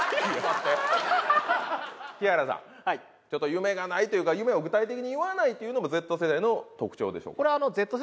ちょっと夢がないというか夢を具体的に言わないというのもＺ世代の特徴でしょうか？